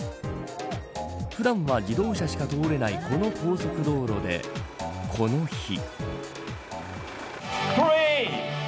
普段は、自動車しか通れないこの高速道路でこの日。